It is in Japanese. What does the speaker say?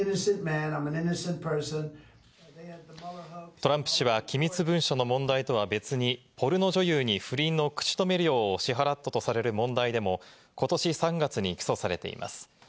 トランプ氏は機密文書の問題とは別に、ポルノ女優に不倫の口止め料を支払ったとされる問題でもことし３月に起訴されています。